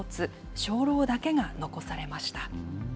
鐘楼だけが残されました。